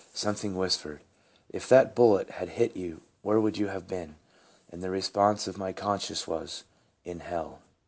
Something whispered, " If that bullet had hit you where would you have been ?" and the response of my conscience was, " In hell."